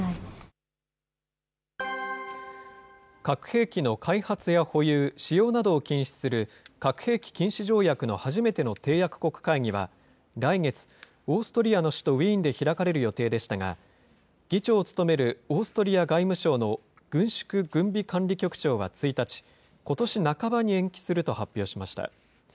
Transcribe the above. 核兵器の開発や保有、使用などを禁止する核兵器禁止条約の初めての締約国会議は、来月、オーストリアの首都ウィーンで開かれる予定でしたが、議長を務めるオーストリア外務省の軍縮軍備管理局長は１日、ことし半ばに延期すると発表しました。